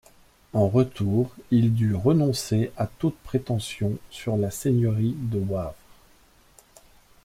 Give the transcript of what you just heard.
En retour, il dut renoncer à toute prétention sur la seigneurie de Wavre.